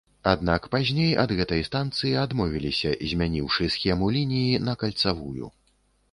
Аднак пазней ад гэтай станцыі адмовіліся, змяніўшы схему лініі на кальцавую.